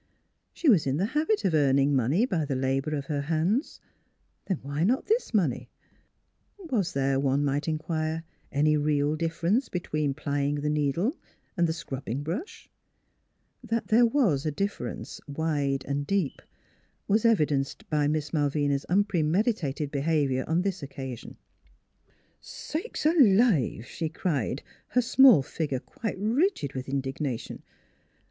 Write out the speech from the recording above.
She was in the habit of earning money by the labor of her hands; then why not this money? Was there, one might inquire, any real difference between plying the needle and the scrubbing brush? That there was a difference, wide and deep, was evidenced by Miss Malvina's unpremeditated behavior on this occasion. " Sakes alive !" she cried, her small figure quite rigid with indignation.